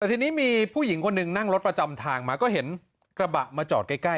แต่ทีนี้มีผู้หญิงคนหนึ่งนั่งรถประจำทางมาก็เห็นกระบะมาจอดใกล้